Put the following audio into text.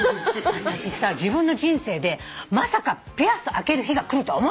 私さ自分の人生でまさかピアス開ける日が来るとは思わなかったもん。